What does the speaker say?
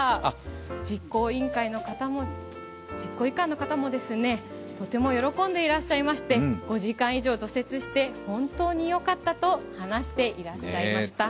実行委員会の方も、とても喜んでいらっしゃいまして、５時間以上除雪して本当によかったと話していらっしゃいました。